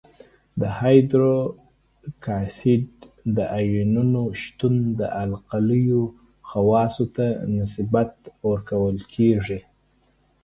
د هایدروکساید د آیونونو شتون د القلیو خواصو ته نسبت ورکول کیږي.